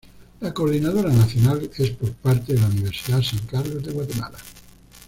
La coordinadora nacional es por parte de la Universidad San Carlos de Guatemala.